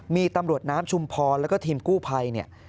มีตำรวจน้ำชุมพลและก็ทีมกู้ภัย